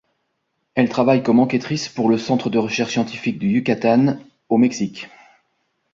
Elle travaille comme enquêtrice pour le centre de recherche scientifique du Yucatán au Mexique.